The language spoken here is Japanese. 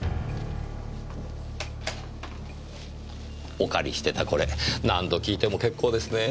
お借りしてたこれ何度聴いても結構ですねぇ。